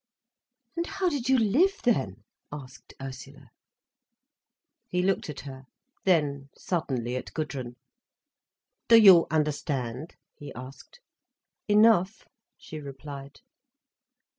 "And how did you live then?" asked Ursula. He looked at her—then, suddenly, at Gudrun. "Do you understand?" he asked. "Enough," she replied.